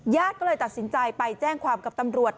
ญาติก็เลยตัดสินใจไปแจ้งความกับตำรวจ